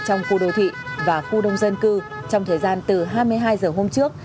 trong khu đô thị và khu đông dân cư trong thời gian từ hai mươi hai giờ hôm trước